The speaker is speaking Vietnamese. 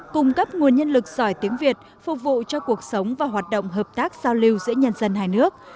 cung cấp nguồn nhân lực giỏi tiếng việt phục vụ cho cuộc sống và hoạt động hợp tác giao lưu giữa nhân dân hai nước